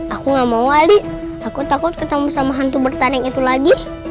aku gak mau ali aku takut ketemu sama hantu bertanding itu lagi